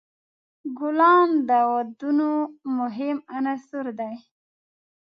ګلان د ودونو مهم عنصر دی.